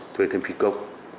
thuê thêm khí cốc